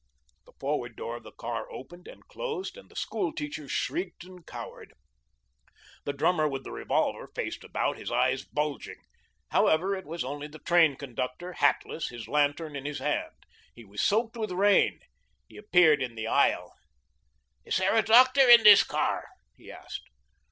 The forward door of the car opened and closed and the school teachers shrieked and cowered. The drummer with the revolver faced about, his eyes bulging. However, it was only the train conductor, hatless, his lantern in his hand. He was soaked with rain. He appeared in the aisle. "Is there a doctor in this car?" he asked.